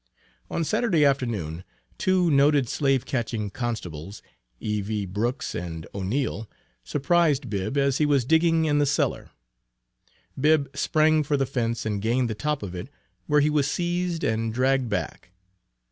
On Saturday afternoon, two noted slave catching constables, E.V. Brooks and O'Neil, surprised Bibb as he was digging in the cellar. Bibb sprang for the fence and gained the top of it, where he was seized and dragged back.